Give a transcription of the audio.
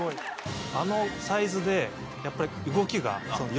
あのサイズでやっぱり。